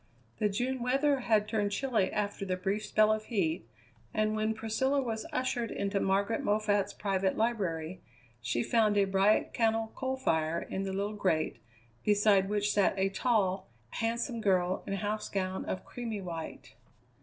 The June weather had turned chilly after the brief spell of heat, and when Priscilla was ushered into Margaret Moffatt's private library she found a bright cannel coal fire in the little grate, beside which sat a tall, handsome girl in house gown of creamy white.